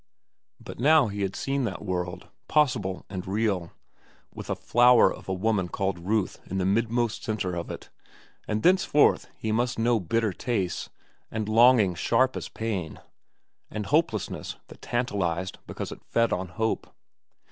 But now he had seen that world, possible and real, with a flower of a woman called Ruth in the midmost centre of it; and thenceforth he must know bitter tastes, and longings sharp as pain, and hopelessness that tantalized because it fed on hope.